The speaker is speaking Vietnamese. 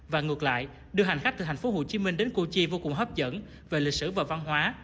và ngược lại đưa hành khách từ thành phố hồ chí minh đến cochi vô cùng hấp dẫn về lịch sử và văn hóa